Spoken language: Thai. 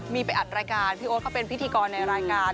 มีไปอัดรายการพี่โอ๊ตเขาเป็นพิธีกรในรายการ